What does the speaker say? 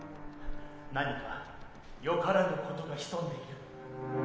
何かよからぬことが潜んでいる。